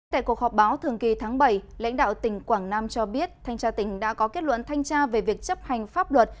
tại cuộc họp báo thường kỳ tháng bảy lãnh đạo tỉnh quảng nam cho biết thanh tra tỉnh đã có kết luận thanh tra về việc chấp hành pháp luật